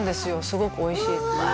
すごくおいしいうわ！